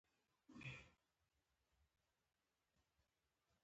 هغه کتابچه خلاصه کړه.